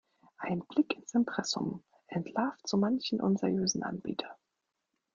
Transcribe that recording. Ein Blick ins Impressum entlarvt so manchen unseriösen Anbieter.